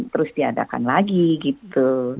harus diadakan lagi gitu